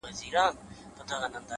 توروه سترگي ښايستې په خامـوشـۍ كي!!